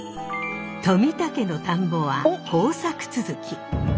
刀美田家の田んぼは豊作続き。